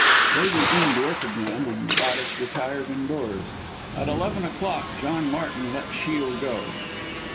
They resumed work again; and Gladys retired indoors. At eleven o'clock John Martin let Shiel go.